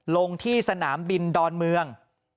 ลงที่สนามบินดอนเมือง